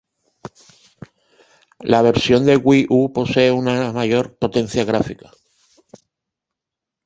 La versión de Wii U posee una mayor potencia gráfica.